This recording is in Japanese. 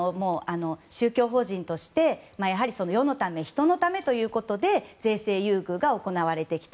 宗教法人として世のため人のためということで税制優遇が行われてきた。